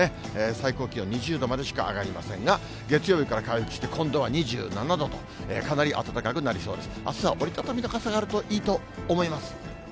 最高気温２０度までしか上がりませんが、月曜日から回復して今度は２７度と、かなり暖かくなりそうです。